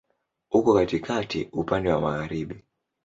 Uko katikati, upande wa magharibi.